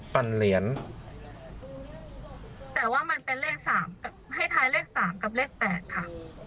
ปั่นเหรียญแต่ว่ามันเป็นเลขสามกับให้ท้ายเลข๓กับเลข๘ค่ะ